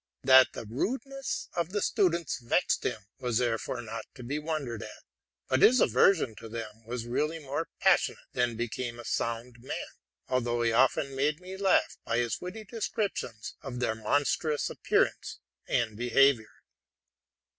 That the students' disorderly conduct vexed him, was therefore not to be wondered at; but his aversion to them was really more passionate than became a sound man, although he often made me laugh by his witty descriptions of their monstrous appearance and behavior.